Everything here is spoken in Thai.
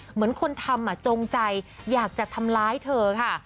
เหมือนคนทำจงใจอยากจะทำร้ายเธอค่ะ